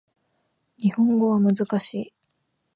日本語は難しい